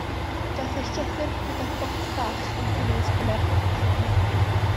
Daeth y llythyr gyda bocs bach yn cynnwys hanner aren.